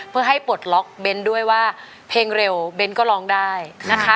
เพื่อให้ปลดล็อกเบ้นด้วยว่าเพลงเร็วเบ้นก็ร้องได้นะคะ